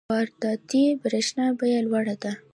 د وارداتي برښنا بیه لوړه ده.